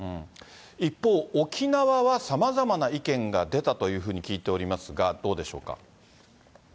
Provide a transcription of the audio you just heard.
一方、沖縄はさまざまな意見が出たというふうに聞いておりますが、どうでしょうか。